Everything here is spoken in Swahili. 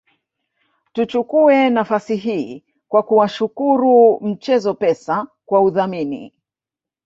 Tuchukue nafasi hii kwa kuwashukuru mchezo Pesa kwa udhamini